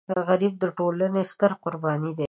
غریب د ټولنې ستره قرباني ده